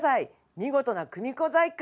見事な組子細工。